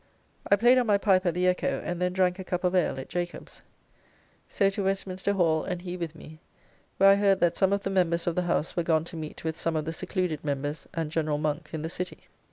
I played on my pipe at the Echo, and then drank a cup of ale at Jacob's. So to Westminster Hall, and he with me, where I heard that some of the members of the House were gone to meet with some of the secluded members and General Monk in the City.